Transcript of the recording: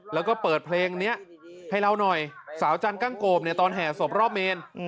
แล้วก็เปิดเพลงนี้ให้เราหน่อยสาวจันกั้งโกบเนี่ยตอนแห่ศพรอบเมน